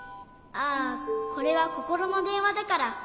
あこれはココロのでんわだから。